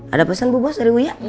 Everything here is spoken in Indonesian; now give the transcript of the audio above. ada pesan bu bos dari buya